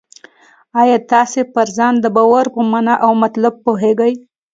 آیا تاسې پر ځان د باور په مانا او مطلب پوهېږئ؟